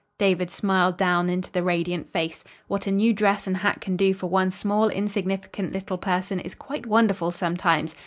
David smiled down into the radiant face. What a new dress and hat can do for one small, insignificant little person is quite wonderful sometimes.